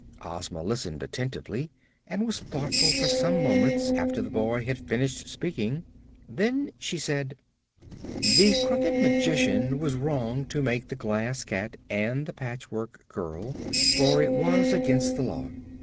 Ozma listened attentively and was thoughtful for some moments after the boy had finished speaking. Then she said: "The Crooked Magician was wrong to make the Glass Cat and the Patchwork Girl, for it was against the Law.